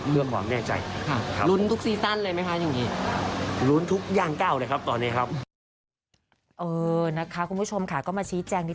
เพื่อประสบความแน่ใจ